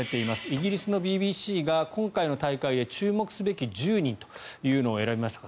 イギリスのＢＢＣが今回の大会で注目すべき１０人というのを選びました。